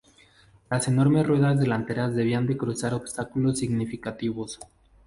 Las enormes ruedas delanteras debían de cruzar obstáculos significativos.